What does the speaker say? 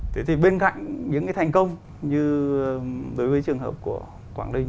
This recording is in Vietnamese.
thế thì bên cạnh những cái thành công như đối với trường hợp của quảng ninh